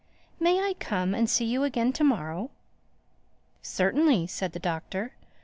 "May I come and see you again to morrow?" "Certainly," said the Doctor.